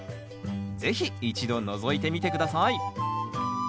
是非一度のぞいてみて下さい。